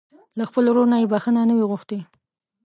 له خپل ورور نه يې بښته نه وي غوښتې.